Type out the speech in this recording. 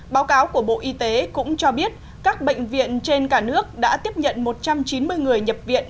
báo cáo của bộ y tế cũng cho biết các bệnh viện trên cả nước đã tiếp nhận một trăm chín mươi người nhập viện